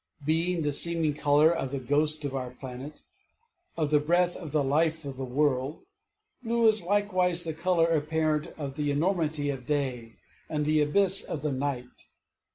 Being the seeming color of the ghost of our planet, of the breath of the life of the world, blue is likewise the color apparent of the enormity of day and the abyss of the night.